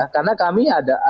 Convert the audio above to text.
karena kami ada